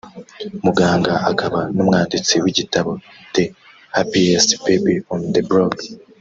Muganga akaba n’umwanditsi w’igitabo ’The Happiest Baby on the Block’